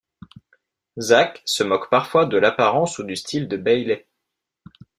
Zack se moque parfois de l'apparence ou du style de Bailey.